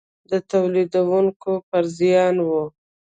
د تولیدوونکو پر زیان و.